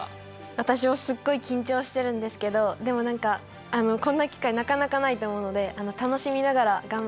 私もすっごい緊張してるんですけどでも何かこんな機会なかなかないと思うので楽しみながら頑張れたらいいかなって思っています。